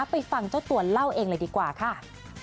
ไปฟังเจ้าตัวเล่าเองเลยดีกว่าค่ะ